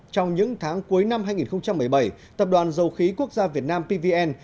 trong những tháng cuối năm hai nghìn một mươi bảy tập đoàn dầu khí quốc gia việt nam pvn